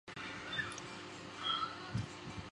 随后张百发顺利当选。